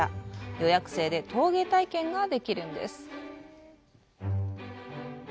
予約制で陶芸体験ができるんです。